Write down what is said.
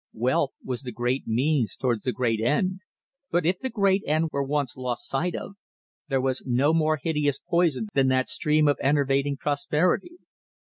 Wealth was the great means towards the great end, but if the great end were once lost sight of, there was no more hideous poison than that stream of enervating prosperity.